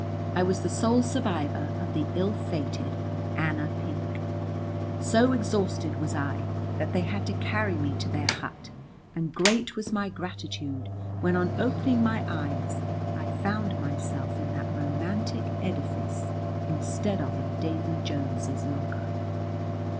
I was the sole survivor of the ill fated Anna Pink. So exhausted was I that they had to carry me to their hut, and great was my gratitude when on opening my eyes, I found myself in that romantic edifice instead of in Davy Jones's locker.